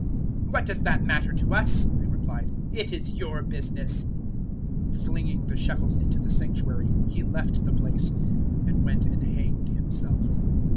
"What does that matter to us?" they replied; it is your business." 027:005 Flinging the shekels into the Sanctuary he left the place, and went and hanged himself.